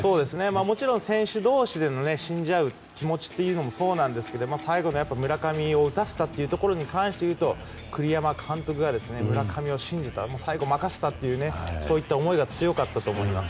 もちろん選手同士での信じ合う気持ちというのもそうなんですけど最後、村上を打たせたところに関しては栗山監督が村上を信じた、最後任せたというそういった思いが強かったと思います。